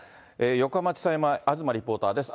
横浜地裁前、東リポーターです。